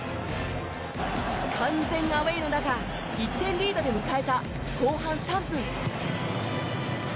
完全アウェーの中１点リードで迎えた後半３分。